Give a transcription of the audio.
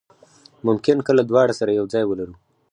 ممکن کله دواړه سره یو ځای ولرو.